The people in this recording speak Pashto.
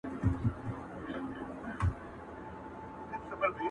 o زه لاس په سلام سترگي راواړوه ـ